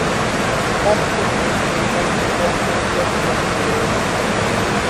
Páp tí tʉ̄ njyə́ wé ŋgɔ́ kə́ mbyá syâ nté wé.